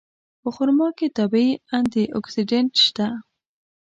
په خرما کې طبیعي انټي اکسېډنټ شته.